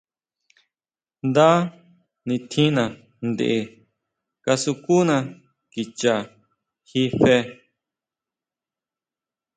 Nda nitjína tʼen kasukuna kicha jí fe.